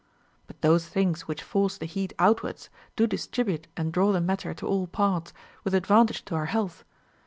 But those things which force the heat outwards do distribute and draw the matter to all parts, with advantage to our health.